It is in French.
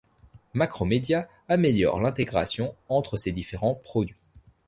Macromedia améliore l'intégration entre ses différents produits.